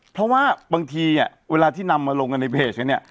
เพราะว่าบางทีเวลาที่นำมาลงในเพจนี้